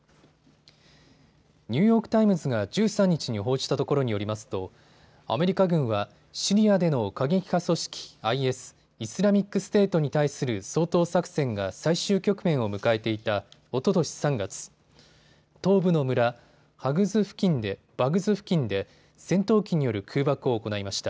ニューヨーク・タイムズが１３日に報じたところによりますとアメリカ軍はシリアでの過激派組織ＩＳ・イスラミックステートに対する掃討作戦が最終局面を迎えていたおととし３月、東部の村、バグズ付近で戦闘機による空爆を行いました。